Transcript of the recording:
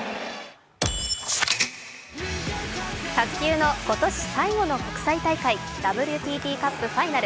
卓球の今年最後の国際大会ＷＴＴカップファイナル。